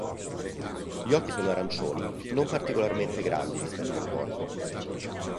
Gli occhi sono arancioni, non particolarmente grandi rispetto al corpo.